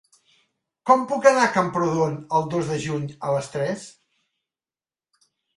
Com puc anar a Camprodon el dos de juny a les tres?